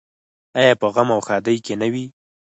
آیا په غم او ښادۍ کې نه وي؟